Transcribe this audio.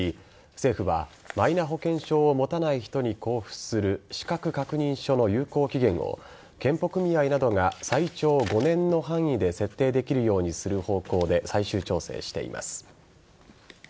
政府はマイナ保険証を持たない人に交付する資格確認書の有効期限を健保組合などが最長５年の範囲で設定できるようにする方向で最終調整しています。